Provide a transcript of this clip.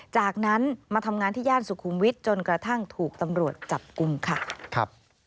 จากนั้นมาทำงานที่ย่านสุขุมวิทย์จนกระทั่งถูกตำรวจจับกลุ่มค่ะ